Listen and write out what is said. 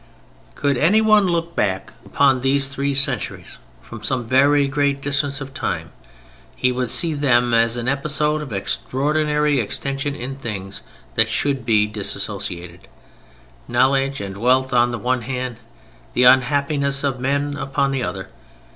Could anyone look back upon these three centuries from some very great distance of time, he would see them as an episode of extraordinary extension in things that should be dissociated: knowledge and wealth, on the one hand, the unhappiness of men upon the other.